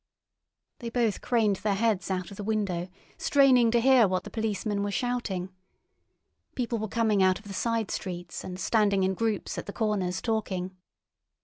They both craned their heads out of the window, straining to hear what the policemen were shouting. People were coming out of the side streets, and standing in groups at the corners talking.